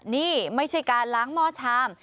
นี่ไม่ใช่การล้างหม้อชาม